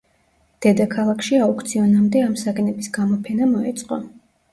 დედაქალაქში აუქციონამდე ამ საგნების გამოფენა მოეწყო.